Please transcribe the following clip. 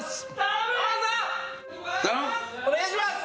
お願いします